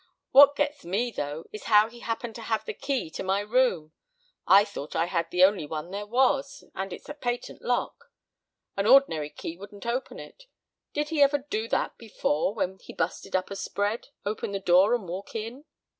"What gets me, though, is how he happened to have the key to my room. I thought I had the only one there was, and it's a patent lock. An ordinary key wouldn't open it. Did he ever do that before when he busted up a spread open the door and walk in?"